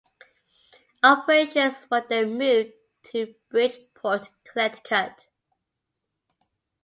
Operations were then moved to Bridgeport, Connecticut.